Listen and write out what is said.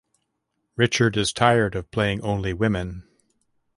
Richard is tired of playing only women.